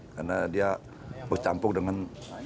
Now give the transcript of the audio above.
karena dia bercampur dengan